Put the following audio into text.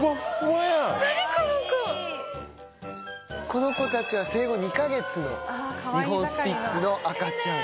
この子たちは生後２か月の日本スピッツの赤ちゃん。